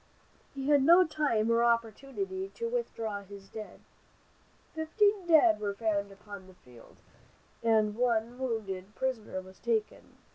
He had no time or opportunity to withdraw his dead. Fifteen dead were found upon the field, and one wounded prisoner was taken.